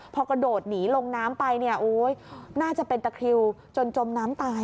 พอกระโดดหนีลงน้ำไปน่าจะเป็นตะคิวจนจมน้ำตาย